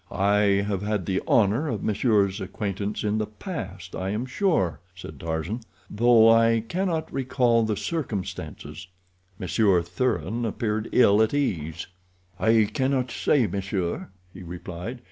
"I have had the honor of monsieur's acquaintance in the past, I am sure," said Tarzan, "though I cannot recall the circumstances." Monsieur Thuran appeared ill at ease. "I cannot say, monsieur," he replied.